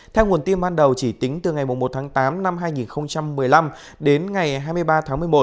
theo nguồn tin ban đầu chỉ tính từ ngày một tháng tám năm hai nghìn một mươi năm đến ngày hai mươi ba tháng một mươi một